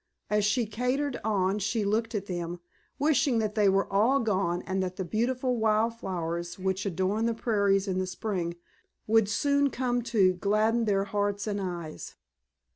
As she cantered on she looked at them, wishing that they were all gone and that the beautiful wild flowers which adorn the prairies in the spring would soon come to gladden their hearts and eyes.